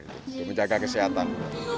itu menjaga kesehatan